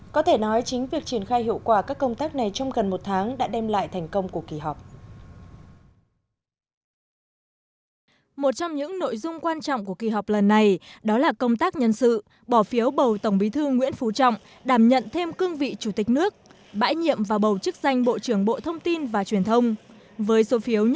có thể nói chính việc triển khai hiệu quả các công tác này trong gần một tháng đã đem lại thành công của kỳ họp